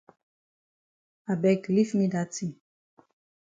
I beg leave me dat tin.